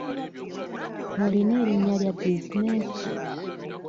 Olina erinnya lya buzinensi?